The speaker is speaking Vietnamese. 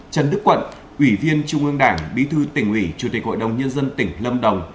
trần đức quận ủy viên trung ương đảng bí thư tỉnh ủy chủ tịch hội đồng nhân dân tỉnh lâm đồng